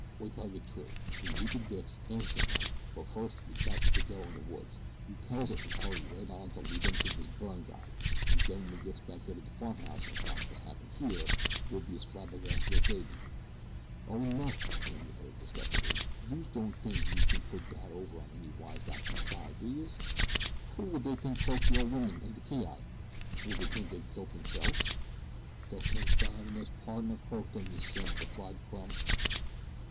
Wait 'til I gets t'rough. We meets de dicks, innocent like; but first we caches de dough in de woods. We tells 'em we hurried right on to lead 'em to dis Byrne guy, an' wen we gets back here to de farmhouse an' finds wot's happened here we'll be as flabbergasted as dey be." "Oh, nuts!" exclaimed the other disgustedly. "Youse don't tink youse can put dat over on any wise guy from Chi, do youse? Who will dey tink croaked de old woman an' de ki yi? Will dey tink dey kilt deyreselves?" "Dey'll tink Byrne an' his pardner croaked 'em, you simp," replied Crumb.